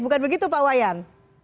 bukan begitu pak wayan